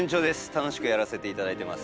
楽しくやらせて頂いてます。